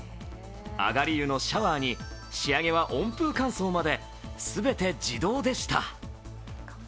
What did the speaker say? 上がり湯のシャワーに仕上げは温風乾燥まで全て自動でした。